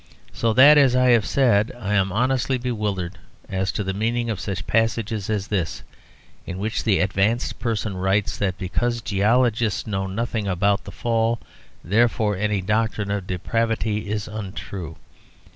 So that, as I have said, I am honestly bewildered as to the meaning of such passages as this, in which the advanced person writes that because geologists know nothing about the Fall, therefore any doctrine of depravity is untrue.